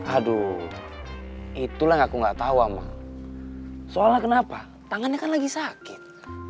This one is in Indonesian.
aduh itulah yang aku nggak tahu sama soalnya kenapa tangannya kan lagi sakit